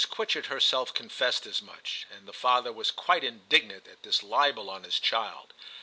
Quitchett herself confessed as much, and the father was quite indignant at this libel on his child.